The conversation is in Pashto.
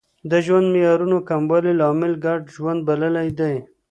د ژوند معیارونو کموالی لامل ګډ ژوند بللی دی